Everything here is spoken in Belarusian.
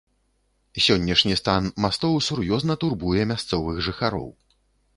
Сённяшні стан мастоў сур'ёзна турбуе мясцовых жыхароў.